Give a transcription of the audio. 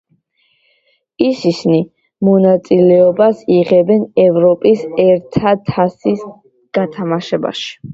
ისისნი მონაწილეობას იღებენ ევროპის ერთა თასის გათამაშებაში.